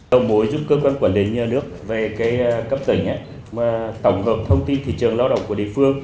đồng mối giúp cơ quan quản lý nhà nước về cấp tỉnh tổng hợp thông tin thị trường lao động của địa phương